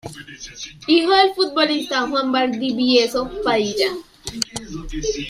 Hijo del futbolista Juan Valdivieso Padilla.